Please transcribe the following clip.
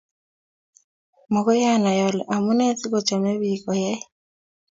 Makoy anai ale amune sikochome pik koyaai